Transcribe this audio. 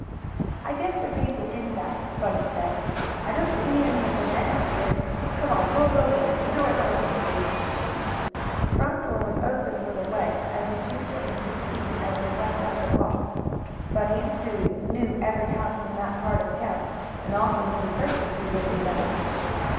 "I guess they're painting inside," Bunny said. "I don't see any of the men out here. Come on, we'll go in; the door is open, Sue." The front door was open a little way, as the two children could see as they went up the walk. Bunny and Sue knew every house in that part of town, and also knew the persons who lived in them.